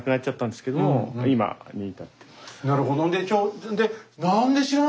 なるほど。